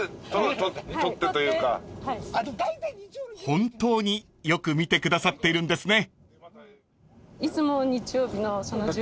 ［本当によく見てくださっているんですね］